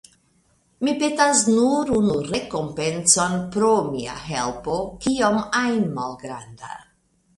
Mi petas nur unu rekompencon pro mia helpo, kiom ajn malgranda.